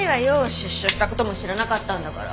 出所した事も知らなかったんだから。